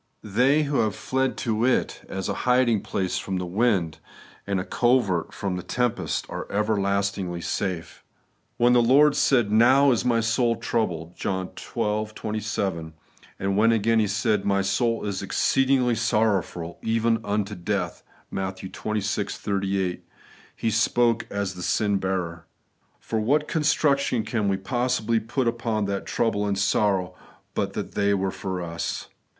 They who have fled to it aa a hiding place from the wind, and a covert from the tempest, are everlastingly safe. When the Lord said, ' Now is my soul^ troubled ' (John xii. 27) ; and when, again. He said, 'My soul is exceeding sorrowful, even unto death* (Matt, xxvi 38), He spoke as the sin bearer. For what construction can we possibly put upon that trouble and sorrow, but that they were for us